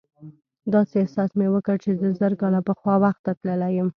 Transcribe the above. داسې احساس مې وکړ چې زه زر کاله پخوا وخت ته تللی یم.